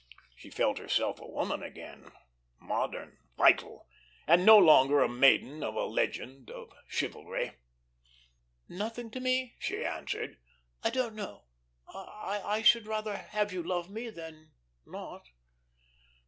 She felt herself a woman again, modern, vital, and no longer a maiden of a legend of chivalry. "Nothing to me?" she answered. "I don't know. I should rather have you love me than not."